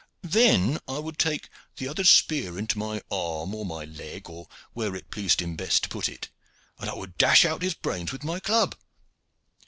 "Then I would take the other's spear into my arm or my leg, or where it pleased him best to put it, and I would dash out his brains with my club."